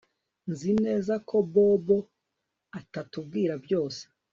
Nzi neza ko Bobo atatubwira byose